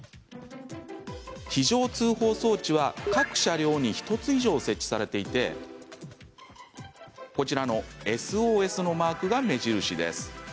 非常通報装置は各車両に１つ以上設置されていてこちらのＳＯＳのマークが目印です。